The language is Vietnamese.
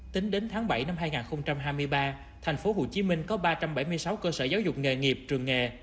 tính đến tháng bảy năm hai nghìn hai mươi ba tp hcm có ba trăm bảy mươi sáu cơ sở giáo dục nghề nghiệp trường nghề